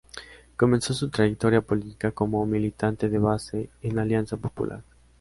Comenzó su trayectoria política como militante de base en Alianza Popular.